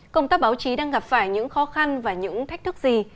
công tác báo chí đang gặp phải những khó khăn và những thách thức gì